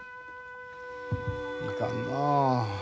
いかんなあ。